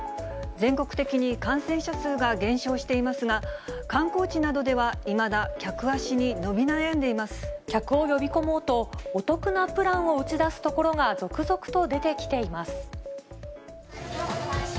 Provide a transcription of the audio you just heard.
全国的に感染者数が減少していますが、観光地などでは、客を呼び込もうと、お得なプランを打ち出すところが続々と出てきています。